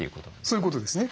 そういうことですね。